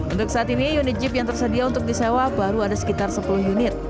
untuk saat ini unit jeep yang tersedia untuk disewa baru ada sekitar sepuluh unit